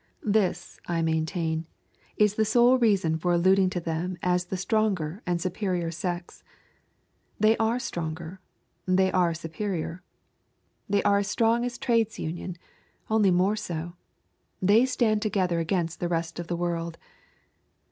This, I maintain, is the sole reason for alluding to them as the stronger and superior sex. They are stronger. They are superior. They are as strong as a trades union, only more so. They stand together against the rest of the world.